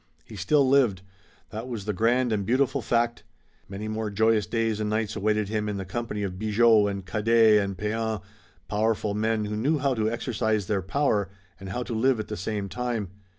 He still lived. That was the grand and beautiful fact. Many more joyous days and nights awaited him in the company of Bigot and Cadet and Pean, powerful men who knew how to exercise their power and how to live at the same time.